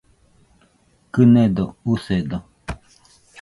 Kɨnedo, usedo